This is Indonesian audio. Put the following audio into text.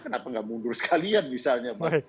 kenapa nggak mundur sekalian misalnya mas